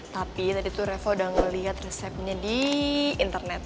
tapi tadi tuh revo udah ngelihat resepnya di internet